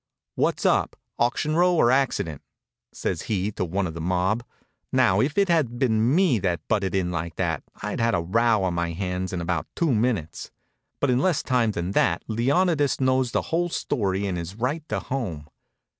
"What's up; auction, row or accident?" says he to one of the mob. Now if it had been me that butted in like that I'd had a row on my hands in about two minutes, but in less time than that Leonidas knows the whole story and is right to home.